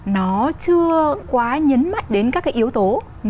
nó chưa quá nhấn mắt đến các yếu tố